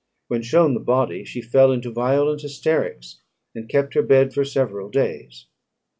When shown the body, she fell into violent hysterics, and kept her bed for several days.